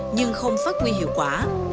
nhưng không phát nguy hiệu quả